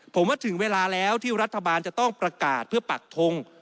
ผมว่าถึงเวลาแล้วที่รัฐบาลจะต้องประกาศเพื่อปักทง